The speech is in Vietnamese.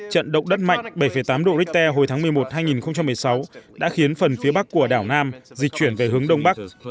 trận động đất mạnh bảy tám độ richter hồi tháng một mươi một hai nghìn một mươi sáu đã khiến phần phía bắc của đảo nam dịch chuyển về hướng đông bắc